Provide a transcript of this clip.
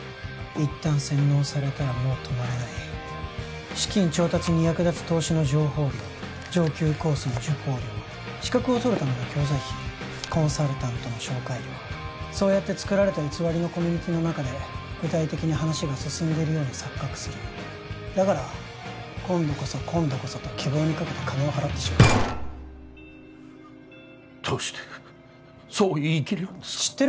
一旦洗脳されたらもう止まれない資金調達に役立つ投資の情報料上級コースの受講料資格を取るための教材費コンサルタントの紹介料そうやって作られた偽りのコミュニティーの中で具体的に話が進んでるように錯覚するだから今度こそ今度こそと希望にかけて金を払ってしまうどうしてそう言い切れるんですか？